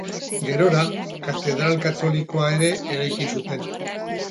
Gerora, katedral katolikoa ere eraiki zuten.